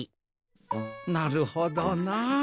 なるほどな。